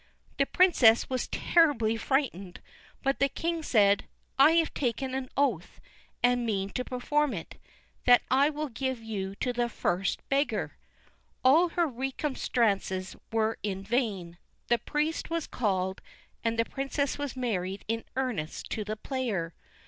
The princess was terribly frightened, but the king said: "I have taken an oath, and mean to perform it, that I will give you to the first beggar." All her remonstrances were in vain; the priest was called, and the princess was married in earnest to the player.